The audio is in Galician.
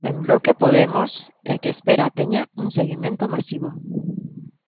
En Bloque Podemos, e que espera teña un seguimento "masivo".